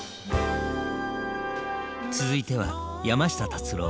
続いては山下達郎